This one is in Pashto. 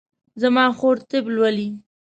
زما خور طب لولي